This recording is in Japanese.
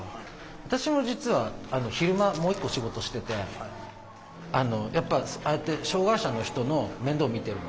私も実は昼間もう一個仕事しててあのやっぱああやって障害者の人の面倒見てるの。